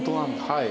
はい。